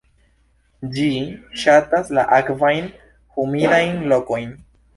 Ĝi ŝatas la akvajn, humidajn lokojn.